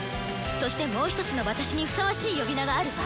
そしてもう一つの私にふさわしい呼び名があるわ。